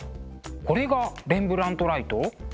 これがレンブラントライト？